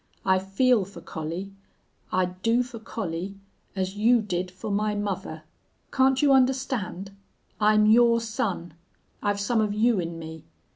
I feel for Collie I'd do for Collie as you did for my mother! Can't you understand? I'm your son. I've some of you in me.